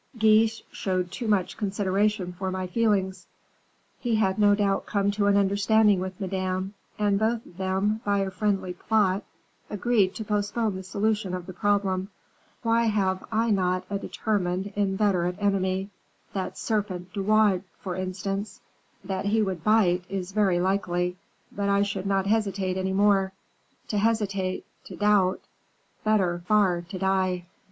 Guiche showed too much consideration for my feelings; he had no doubt come to an understanding with Madame, and both of them, by a friendly plot, agreed to postpone the solution of the problem. Why have I not a determined, inveterate enemy that serpent, De Wardes, for instance; that he would bite, is very likely; but I should not hesitate any more. To hesitate, to doubt better, far, to die."